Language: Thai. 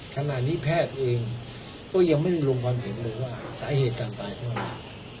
ขณะนี้แพทย์เองก็ยังไม่ได้ลงความเห็นเลยว่าสาเหตุการตายขึ้นมา